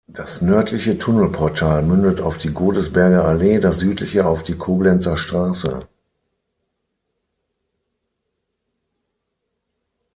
Das nördliche Tunnelportal mündet auf die Godesberger Allee, das südliche auf die Koblenzer Straße.